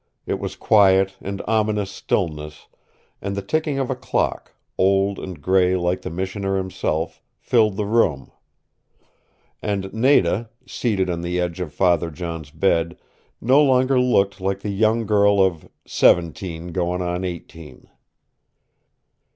It was quiet and ominous stillness, and the ticking of a clock, old and gray like the Missioner himself, filled the room. And Nada, seated on the edge of Father John's bed, no longer looked like the young girl of "seventeen goin' on eighteen."